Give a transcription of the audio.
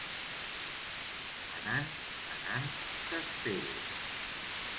Anant, anant, t'espere.